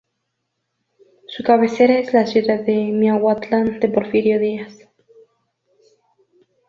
Su cabecera es la ciudad de Miahuatlán de Porfirio Díaz.